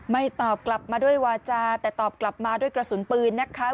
ตอบกลับมาด้วยวาจาแต่ตอบกลับมาด้วยกระสุนปืนนะคะ